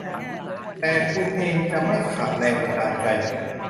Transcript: แต่คุณเองจะไม่ขาดแรงบันดาลใจ